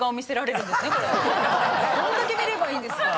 どんだけ見ればいいんですか？